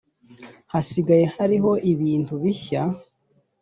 hasigaye hariho ibintu bishya.